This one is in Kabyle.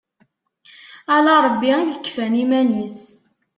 Ala Ṛebbi i yekfan iman-is.